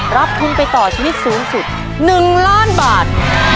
รับทุนไปต่อชีวิตสูงสุด๑ล้านบาท